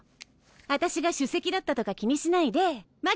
私が首席だったとか気にしないでマキはマキの。